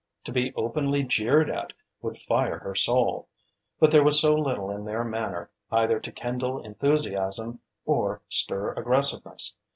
To be openly jeered at would fire her soul. But there was so little in their manner either to kindle enthusiasm or stir aggressiveness.